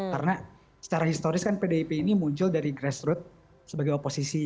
karena secara historis kan pdip ini muncul dari grassroots sebagai oposisi